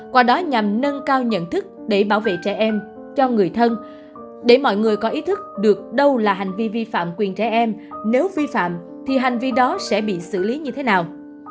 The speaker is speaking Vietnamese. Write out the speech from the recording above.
qua đó nhằm nâng cao nhận thức để bảo vệ trẻ em cho người thân để mọi người có ý thức được đâu là hành vi vi phạm quyền trẻ em nếu vi phạm thì hành vi đó sẽ bị xử lý như thế nào